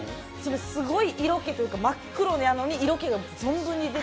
すごい色気というか、真っ黒に色気が存分に出てて。